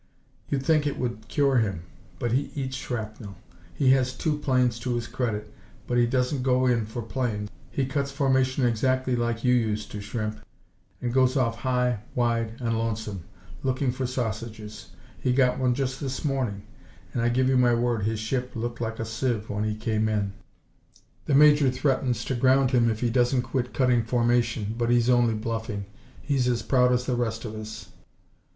You'd think it would cure him, but he eats shrapnel. Has two planes to his credit, but he doesn't go in for planes. He cuts formation exactly like you used to, Shrimp, and goes off high, wide and lonesome, looking for sausages. He got one just this morning, and I give you my word his ship looked like a sieve when he came in. The Major threatens to ground him if he doesn't quit cutting formation, but he's only bluffing. He's as proud as the rest of us."